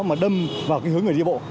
mà đâm vào cái hướng người đi bộ